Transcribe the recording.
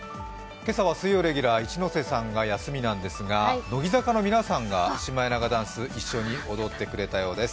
今朝は水曜レギュラー一ノ瀬さんが休みなんですが乃木坂の皆さんがシマエナガダンス、一緒に踊ってくれたそうです。